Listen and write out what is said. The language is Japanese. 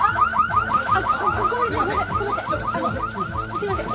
すいません。